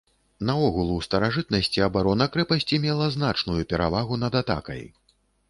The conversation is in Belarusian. Наогул, у старажытнасці абарона крэпасці мела значную перавагу над атакай.